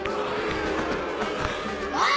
・おい！